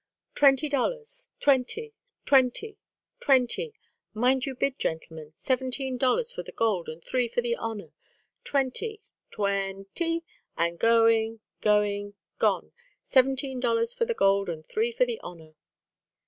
"Twenty dollars; twenty, twenty, twenty! Mind your bid, gentlemen. Seventeen dollars for the gold, and three for the honour. Twenty, tw en ty, and going, going, gone! Seventeen dollars for the gold, and three for the honour."